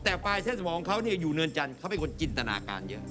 แต่ปลายเส้นสมองเขาอยู่เนินจันทร์เขาเป็นคนจินตนาการเยอะ